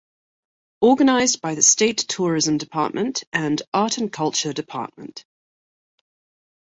Organized by the State Tourism Department and Art and Culture Department.